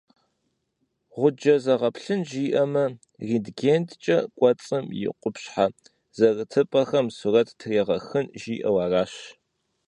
Гъуджэ зэгъэплъын жиӏэмэ, рентгенкӀэ кӀуэцӀым е къупщхьэ зэрытыпӀэхэм сурэт трегъэхын жиӏэу аращ.